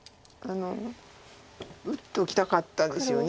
打っときたかったですよね